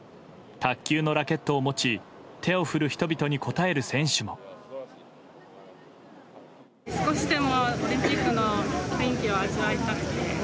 卓球のラケットを持ち手を振る人々に応える選手も。